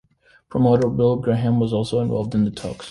Promoter Bill Graham was also involved in the talks.